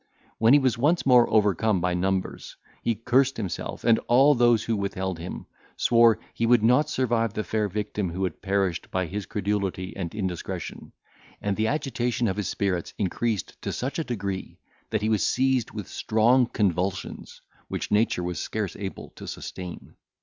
When he was once more overcome by numbers, he cursed himself, and all those who withheld him; swore he would not survive the fair victim who had perished by his credulity and indiscretion; and the agitation of his spirits increased to such a degree, that he was seized with strong convulsions, which nature was scarce able to sustain.